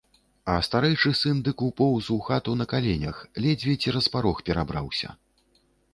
А старэйшы сын дык упоўз у хату на каленях, ледзьве цераз парог перабраўся.